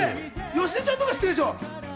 芳根さんとか知ってるでしょ？